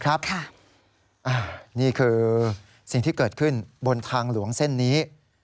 นี่คือสิ่งที่เกิดขึ้นบนทางหลวงเส้นนี้